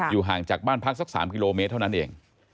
ห่างจากบ้านพักสัก๓กิโลเมตรเท่านั้นเอง